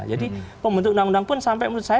jadi pembentuk undang undang pun sampai menurut saya